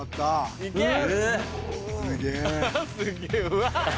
すげぇうわ。